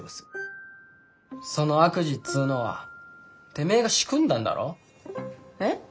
その悪事っつうのはてめえが仕組んだんだろ？え？